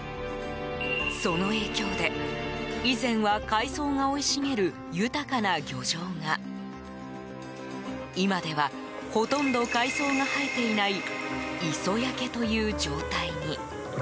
その影響で、以前は海藻が生い茂る豊かな漁場が今ではほとんど海藻が生えていない磯焼けという状態に。